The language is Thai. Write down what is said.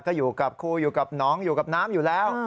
ก็อยู่กับครูอยู่กับน้องอยู่กับน้ำอยู่แล้ว